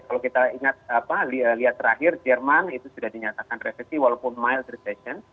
kalau kita ingat apa lihat terakhir jerman itu sudah dinyatakan resesi walaupun mild resesi